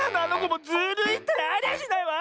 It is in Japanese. もうズルいったらありゃしないわ！